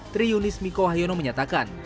triunis miko wahyono menyatakan